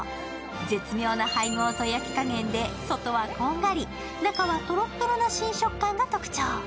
絶妙な配合と焼き加減で、外はこんがり、中はとろっとろな新食感が特徴。